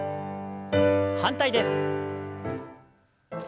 反対です。